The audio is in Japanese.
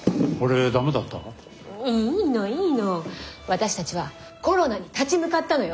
私たちはコロナに立ち向かったのよ？